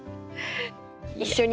一緒に。